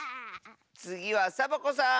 つぎはサボ子さん！